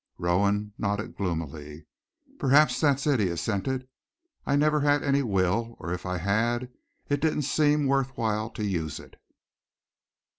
Rowan nodded gloomily. "Perhaps that's it," he assented. "I never had any will, or if I had, it didn't seem worth while to use it."